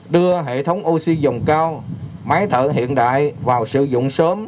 đưa hệ thống oxy dòng cao máy thợ hiện đại vào sử dụng sớm